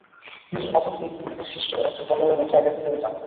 নিজের অজান্তেই তিনি নিজের সৃষ্ট একটা বলয়ের মধ্যে একাকী হয়ে যান।